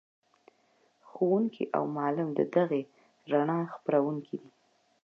ښوونکی او معلم د دغې رڼا خپروونکی دی.